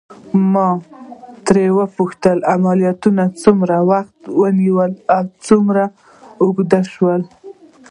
ما ترې وپوښتل: عملياتو څومره وخت ونیو او څومره اوږد شول؟